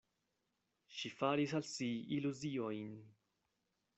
Ŝi faris al si iluziojn.